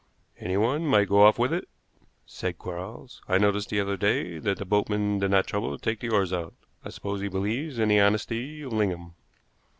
"Anyone might go off with it," said Quarles. "I noticed the other day that the boatman did not trouble to take the oars out. I suppose he believes in the honesty of Lingham."